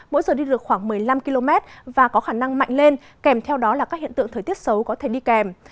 mỗi giờ đi được khoảng một mươi năm km và có khả năng mạnh lên kèm theo đó là các hiện tượng thời tiết xấu có thể đi kèm